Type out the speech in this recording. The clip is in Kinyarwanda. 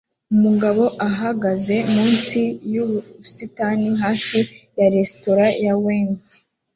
Umugabo ahagaze munsi yubusitani hafi ya resitora ya Wendy